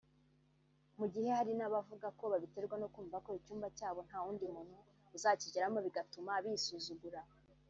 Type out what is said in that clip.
mu gihe hari n’abavuga ko babiterwa no kumva ko icyumba cyabo ntawundi muntu uzakigeramo bigatuma bisuzugura